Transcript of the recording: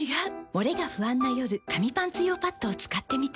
モレが不安な夜紙パンツ用パッドを使ってみた。